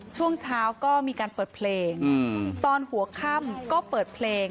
ช่วงเช้าก็มีการเปิดเพลงตอนหัวค่ำก็เปิดเพลง